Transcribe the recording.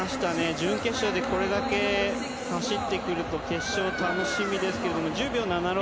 準決勝でこれだけ走ってくると決勝、楽しみですけど１０秒７６。